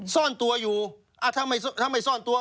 ซ่อนตัวอยู่ถ้าไม่ซ่อนตัว